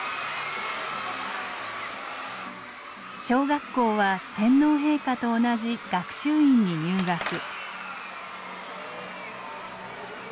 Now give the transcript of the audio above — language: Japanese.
小学校は天皇陛下と同じ学習院に入学。